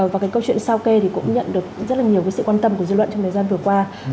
và cái câu chuyện sao kê thì cũng nhận được rất là nhiều cái sự quan tâm của dư luận trong thời gian vừa qua